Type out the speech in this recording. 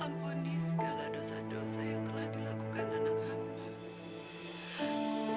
ampuni segala dosa dosa yang telah dilakukan anak hamba